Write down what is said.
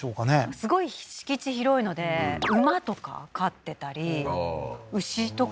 すごい敷地広いので馬とか飼ってたりああー牛とか？